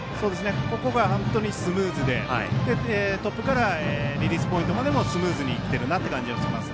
ここが本当にスムーズでトップからリリースポイントまでもスムーズに来ているなという感じがします。